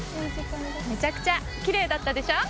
めちゃくちゃ奇麗だったでしょ。